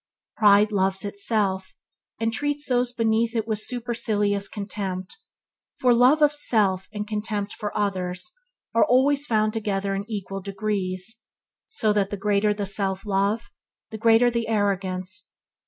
Pride loves itself, and treats those beneath it with supercilious contempt, for love of self and contempt for others are always found together in equal degrees, so that the greater the self love, the greater the arrogance.